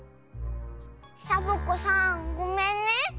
サボ子さんごめんね。